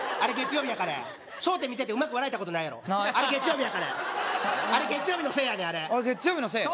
月曜日やからや「笑点」見ててうまく笑えたことないやろあれ月曜日やからやあれ月曜日のせいやであれあれ月曜日のせい？